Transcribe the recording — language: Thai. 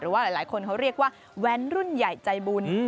ว่าหลายคนเขาเรียกว่าแว้นรุ่นใหญ่ใจบุญ